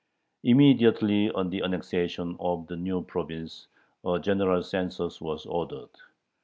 Immediately on the annexation of the new province a general census was ordered.